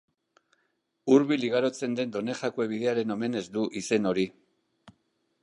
Hurbil igarotzen den Donejakue bidearen omenez du izen hori.